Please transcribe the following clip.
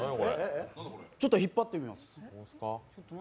ちょっと引っ張ってみます。